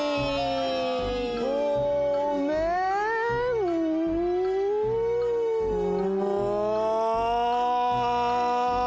ごめん。も。